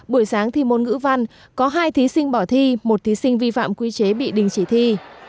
buổi sáng thi môn ngữ văn có hai thí sinh bỏ thi một thí sinh vi phạm quy chế bị đình chỉ thi